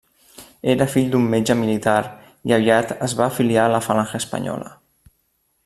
Era fill d'un metge militar i aviat es va afiliar a Falange Espanyola.